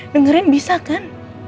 dengerin bisa kan